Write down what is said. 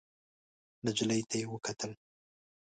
نجلۍ ته يې وکتل.